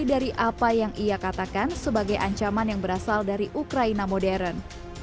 dari apa yang ia katakan sebagai ancaman yang berasal dari ukraina modern